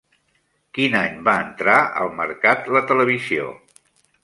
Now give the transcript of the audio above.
Quin any va entrar al mercat la televisió?